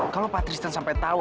kalau patristan sampai tau